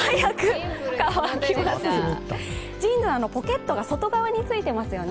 ジーンズはポケットが外側についていますよね。